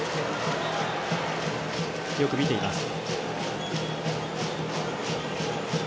よく見ています。